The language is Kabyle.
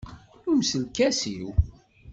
Yumes lkas-iw.